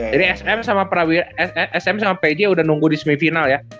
jadi sm sama pj udah nunggu di semifinal ya